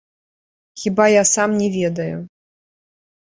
Хіба я сам не ведаю.